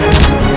kau akan dihukum